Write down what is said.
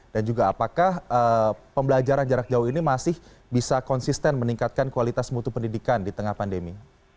dan juga apakah pembelajaran jarak jauh ini masih bisa konsisten meningkatkan kualitas mutu pendidikan di tengah pandemi